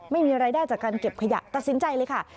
ไม่มีรายได้จากการเก็บขยะตัดสินใจเลยค่ะ